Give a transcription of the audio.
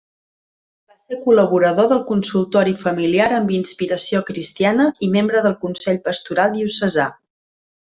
Va ser col·laborador del Consultori familiar amb inspiració cristiana i membre del consell pastoral diocesà.